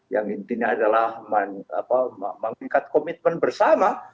yang intinya adalah mengikat komitmen bersama